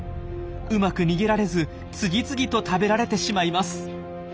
うまく逃げられず次々と食べられてしまいます。